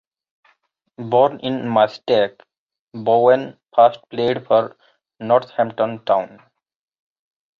Born in Maesteg, Bowen first played for Northampton Town.